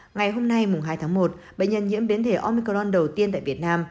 ngày hôm nay hai tháng một bệnh nhân nhiễm biến thể omicron đầu tiên tại việt nam